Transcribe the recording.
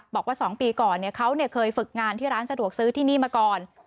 บอกว่า๒ปีก่อนเขาเคยฝึกงานที่ร้านสะดวกซื้อที่นี่มาก่อน